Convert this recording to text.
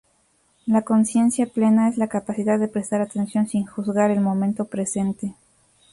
La conciencia plena es la capacidad de prestar atención, sin juzgar, el momento presente.